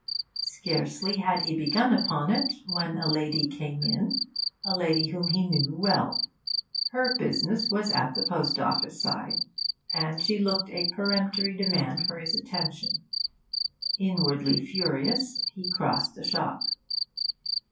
Scarcely had he begun upon it, when a lady came in, a lady whom he knew well. Her business was at the post office side, and she looked a peremptory demand for his attention. Inwardly furious, he crossed the shop.